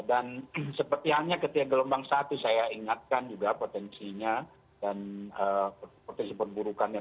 seperti hanya ketika gelombang satu saya ingatkan juga potensinya dan potensi perburukannya